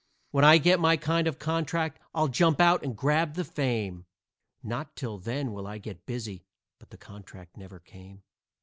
When I get my kind of contract, I'll jump out and grab the fame, Not till then will I get busy" but the contract never came.